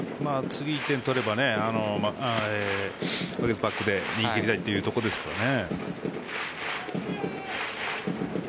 次、１点取ればワゲスパックで逃げ切りたいというところですかね。